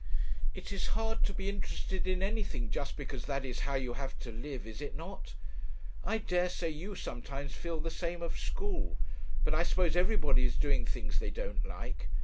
It is hard to be interested in anything just because that is how you have to live, is it not? I daresay you sometimes feel the same of school. But I suppose everybody is doing things they don't like.